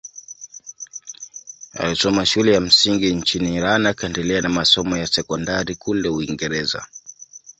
Alisoma shule ya msingi nchini Iran akaendelea na masomo ya sekondari kule Uingereza.